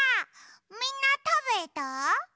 みんなたべた？